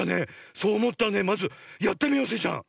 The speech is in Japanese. そうおもったらねまずやってみようスイちゃん！